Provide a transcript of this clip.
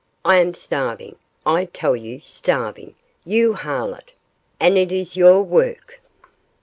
I am starving! I tell you, starving! you harlot! and it is your work.